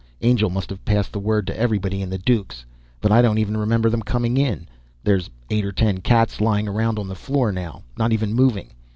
Angel must have passed the word to everybody in the Dukes, but I don't even remember them coming in. There's eight or ten cats lying around on the floor now, not even moving.